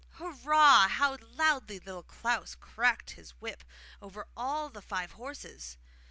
Hurrah! how loudly Little Klaus cracked his whip over all the five horses!